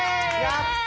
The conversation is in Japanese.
やった！